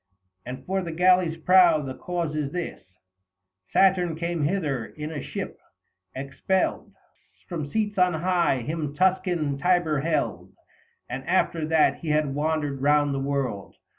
And for the galley's prow, the cause is this — 245 Saturn came hither in a ship ; expelled From seats on high, him Tuscan Tiber held, After that he had wandered round the world.